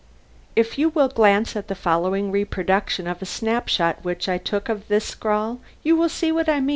If you will glance at the following reproduction of a snap shot which I took of this scrawl, you will see what I mean.